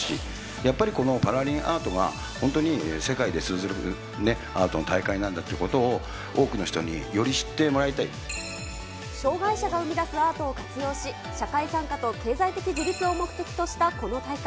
やっぱりこのパラリンアートは、本当に世界に通ずるアートの大会なんだということを、障がい者が生み出すアートを活用し、社会参加と経済的自立を目的としたこの大会。